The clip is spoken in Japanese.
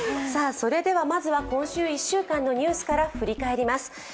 それではまずは今週１週間のニュースから振り返ります。